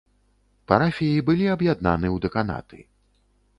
Парафіі былі аб'яднаны ў дэканаты.